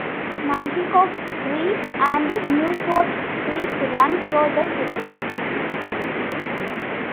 Nanticoke Creek and Newport Creek run through the city.